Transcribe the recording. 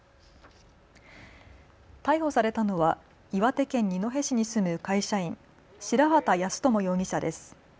逮捕されたのは岩手県二戸市に住む会社員、白籏康友容疑者です。